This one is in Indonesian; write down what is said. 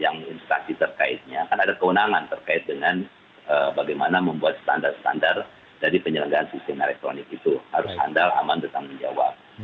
dan pemerintah yang instansi terkaitnya kan ada kewenangan terkait dengan bagaimana membuat standar standar dari penyelenggaraan sistem elektronik itu harus handal aman bertanggung jawab